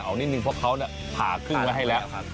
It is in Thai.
เอานิดนึงเพราะเขาผ่าครึ่งไว้ให้แล้ว